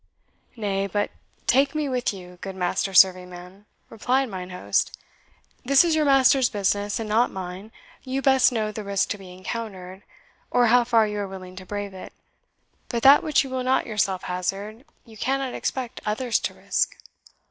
"Nay, but take me with you, good master serving man," replied mine host. "This is your master's business, and not mine, you best know the risk to be encountered, or how far you are willing to brave it. But that which you will not yourself hazard, you cannot expect others to risk."